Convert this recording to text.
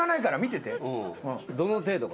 どの程度か。